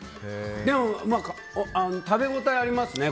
でも、食べ応えありますね。